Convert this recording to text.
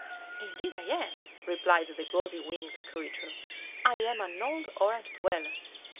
"Indeed I am," replied the gauzy winged creature. "I am an old Orange dweller.